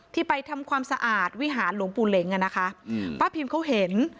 ที่ไปทำความสะอาดวิหารหลวงปู่เหล็งอ่ะนะคะอืมป้าพิมเขาเห็น